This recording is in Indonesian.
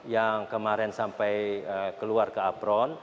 yang kemarin sampai keluar ke apron